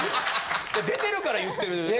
出てるから言ってる。